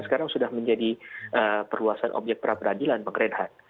sekarang sudah menjadi perluasan objek pra peradilan pengkerenhan